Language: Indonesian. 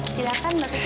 silahkan mbak putri